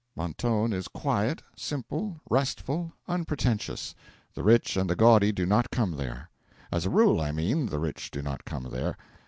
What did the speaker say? Mentone is quiet, simple, restful, unpretentious; the rich and the gaudy do not come there. As a rule, I mean, the rich do not come there.